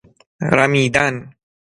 رمیدن